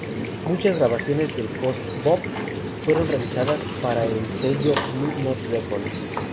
Muchas grabaciones del "post-bop" fueron realizadas para el sello Blue Note Records.